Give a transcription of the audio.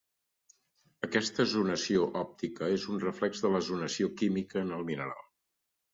Aquesta zonació òptica és un reflex de la zonació química en el mineral.